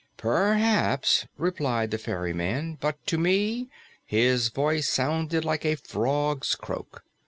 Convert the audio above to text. "Perhaps," replied the ferryman, "but to me his voice sounded like a frog's croak.